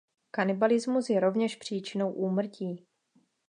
Kanibalismus je rovněž příčinou úmrtí.